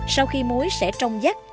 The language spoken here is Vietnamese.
sau khi muối sẽ trong giắc